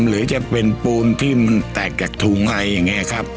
หรือจะเป็นปูนที่มันแตกจากถุงอะไรอย่างนี้ครับ